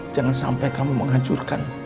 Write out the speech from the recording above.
jangan sampai kamu menghancurkan